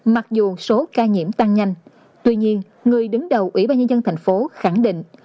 mặc dù số ca nhiễm tăng nhanh tuy nhiên người đứng đầu ủy ban nhân dân thành phố khẳng định